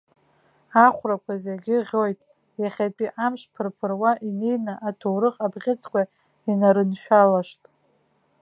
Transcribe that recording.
Ахәрақәа зегьы ӷьоит, иахьатәи амш ԥырԥыруа инеины, аҭоурых абӷьыцқәа инарыншәалашт.